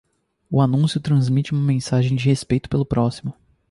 O anúncio transmite uma mensagem de respeito pelo próximo.